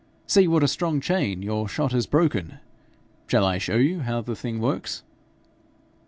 See what a strong chain your shot has broken! Shall I show you how the thing works?'